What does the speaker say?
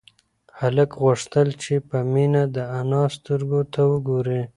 هلک غوښتل چې په مينه د انا سترگو ته وگوري.